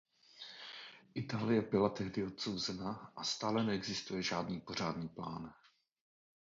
Itálie byla tehdy odsouzena a stále neexistuje žádný pořádný plán.